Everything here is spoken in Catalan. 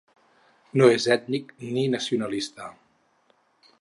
No és ètnic ni nacionalista .